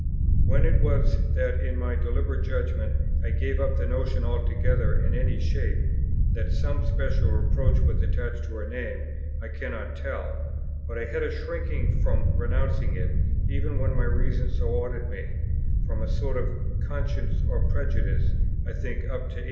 When it was that in my deliberate judgment I gave up the notion altogether in any shape, that some special reproach was attached to her name, I cannot tell; but I had a shrinking from renouncing it, even when my reason so ordered me, from a sort of conscience or prejudice, I think up to 1843.